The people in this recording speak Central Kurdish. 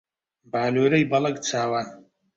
بالۆرەی بەڵەک چاوان